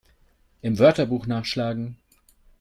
Im Wörterbuch nachschlagen!